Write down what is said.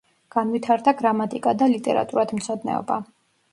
განვითარდა გრამატიკა და ლიტერატურათმცოდნეობა.